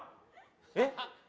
えっ？